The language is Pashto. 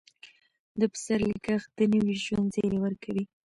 د پسرلي ږغ د نوي ژوند زیری ورکوي.